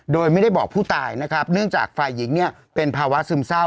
โดยไม่ได้บอกผู้ตายนะครับเนื่องจากฝ่ายหญิงเนี่ยเป็นภาวะซึมเศร้า